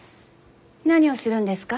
何をするんですか？